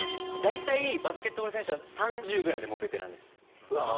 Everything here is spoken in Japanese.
大体バスケットボール選手は３０ぐらいでベテランです。